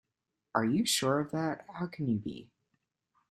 Are you sure of that? How can you be?